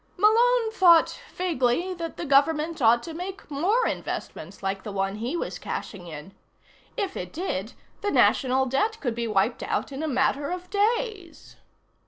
Malone thought vaguely that the government ought to make more investments like the one he was cashing in. If it did, the National Debt could be wiped out in a matter of days.